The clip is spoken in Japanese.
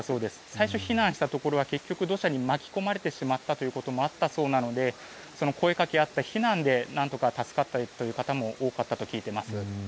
最初、避難したところは結局、土砂に巻き込まれてしまったということもあったそうなので声かけあった避難でなんとか助かったという人も多かったと聞いています。